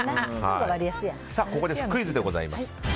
ここでクイズでございます。